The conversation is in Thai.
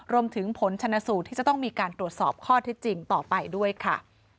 รวมถึงผลชนสูตรที่จะต้องมีการตรวจสอบข้อเท็จจริงต่อไปด้วยค่ะ